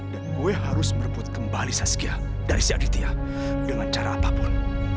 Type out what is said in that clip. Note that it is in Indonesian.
dan gue harus merebut kembali saskia dari si aditya dengan cara apapun